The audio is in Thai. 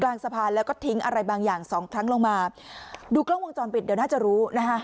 กลางสะพานแล้วก็ทิ้งอะไรบางอย่างสองครั้งลงมาดูกล้องวงจรปิดเดี๋ยวน่าจะรู้นะคะ